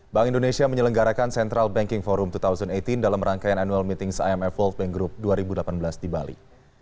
bank indonesia menyelenggarakan central banking forum dua ribu delapan belas dalam rangkaian annual meetings imf world bank group dua ribu delapan belas di bali